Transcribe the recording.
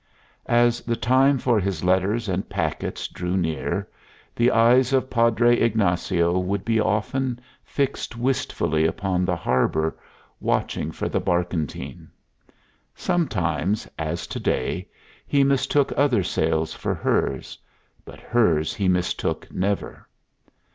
As the time for his letters and packets drew near, the eyes of Padre Ignacio would be often fixed wistfully upon the harbor, watching for the barkentine. Sometimes, as to day, he mistook other sails for hers, but hers he mistook never.